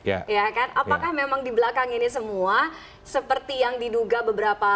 ya kan apakah memang di belakang ini semua seperti yang diduga beberapa